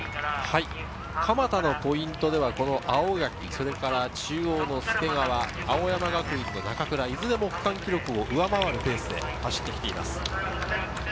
蒲田のポイントでは青柿、それから中央の助川、青山学院の中倉、いずれも区間記録を上回るペースで走っています。